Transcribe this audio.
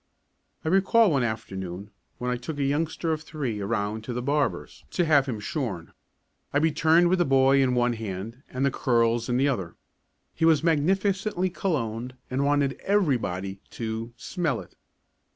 I recall one afternoon when I took a youngster of three around to the barber's to have him shorn. I returned with the boy in one hand and the curls in the other. He was magnificently cologned and wanted everybody to "smell it."